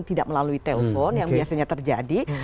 tidak melalui telpon yang biasanya terjadi